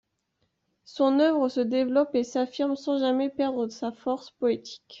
Son œuvre se développe et s'affirme sans jamais perdre sa force poétique.